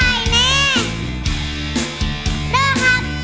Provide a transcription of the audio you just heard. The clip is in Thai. ขอบคุณครับ